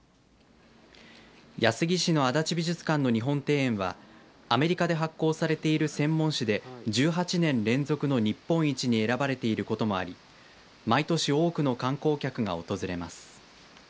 安来市の足立美術館の日本庭園はアメリカで発行されている専門誌で１８年連続の日本一に選ばれていることもあり毎年多くの観光客が訪れています。